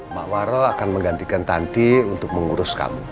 pak waro akan menggantikan tanti untuk mengurus kamu